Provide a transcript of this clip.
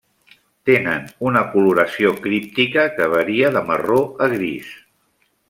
Tenen una coloració críptica que varia de marró a gris.